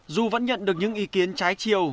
dù vẫn nhận được những ý kiến trái chiêu